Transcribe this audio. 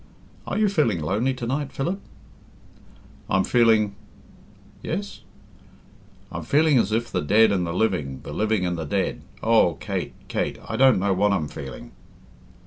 "Are you feeling lonely to night, Philip?" "I'm feeling " "Yes?" "I'm feeling as if the dead and the living, the living and the dead oh, Kate, Kate, I don't know what I'm feeling."